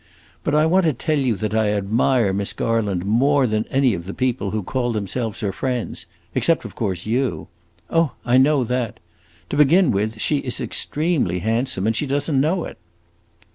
But I want to tell you that I admire Miss Garland more than any of the people who call themselves her friends except of course you. Oh, I know that! To begin with, she is extremely handsome, and she does n't know it."